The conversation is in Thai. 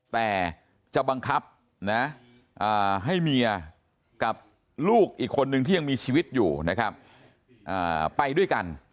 แต่จะบังคับนะให้เมียกับลูกอีกคนนึงที่ยังมีชีวิตอยู่นะครับไปด้วยกัน